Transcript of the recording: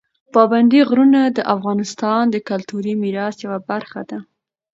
پابندي غرونه د افغانستان د کلتوري میراث یوه برخه ده.